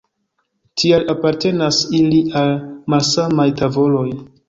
Tial apartenas ili al malsamaj tavoloj.